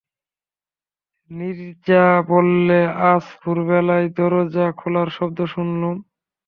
নীরজা বললে, আজ ভোরবেলায় দরজা খোলার শব্দ শুনলুম।